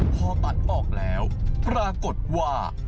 พอตัดออกแล้วปรากฏว่า